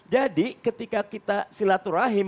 jadi ketika kita silaturahim